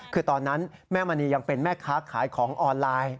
คือตอนนั้นแม่มณียังเป็นแม่ค้าขายของออนไลน์